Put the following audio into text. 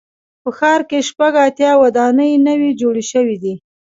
په ښار کې شپږ اتیا ودانۍ نوي جوړې شوې دي.